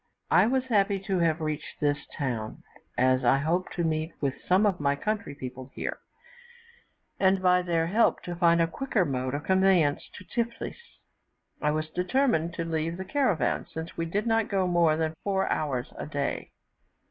I was happy to have reached this town, as I hoped to meet with some of my country people here, and, by their help, to find a quicker mode of conveyance to Tiflis. I was determined to leave the caravan, since we did not go more than four hours a day.